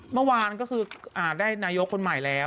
เมื่อวานก็คือได้นายกคนใหม่แล้ว